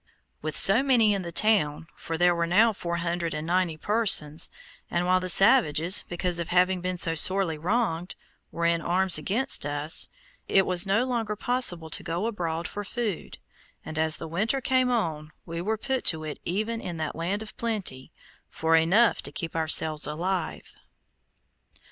With so many in the town, for there were now four hundred and ninety persons, and while the savages, because of having been so sorely wronged, were in arms against us, it was no longer possible to go abroad for food, and as the winter came on we were put to it even in that land of plenty, for enough to keep ourselves alive.